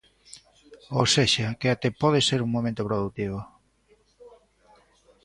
Ou sexa, que até pode ser un momento produtivo.